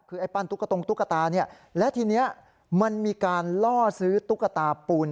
คือไอ้ปั้นตุ๊กตรงตุ๊กตาเนี่ยและทีนี้มันมีการล่อซื้อตุ๊กตาปูน